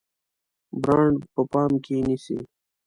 برانډ په پام کې نیسئ؟